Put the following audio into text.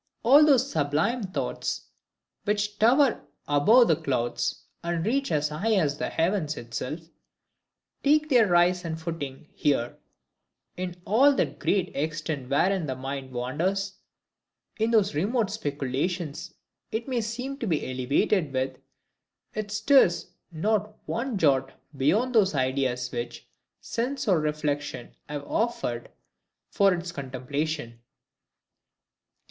All those sublime thoughts which tower above the clouds, and reach as high as heaven itself, take their rise and footing here: in all that great extent wherein the mind wanders, in those remote speculations it may seem to be elevated with, it stirs not one jot beyond those ideas which SENSE or REFLECTION have offered for its contemplation.